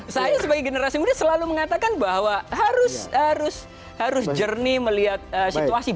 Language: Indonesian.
saya sebagai generasi muda selalu mengatakan bahwa harus jernih melihat situasi